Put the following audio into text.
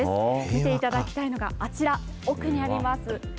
見ていただきたいのが、あちら、奥にあります